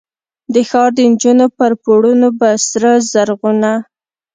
د ښار دنجونو پر پوړونو به، سره زرغونه،